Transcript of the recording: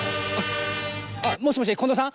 あっもしもし近藤さん？